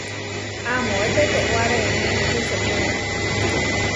Amóe tetewáreemé kečewéka.